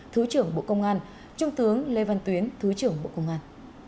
thứ trưởng bộ công an trung tướng lê văn tuyến thứ trưởng bộ công an